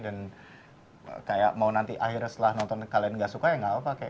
dan kayak mau nanti akhir setelah nonton kalian gak suka ya gak apa apa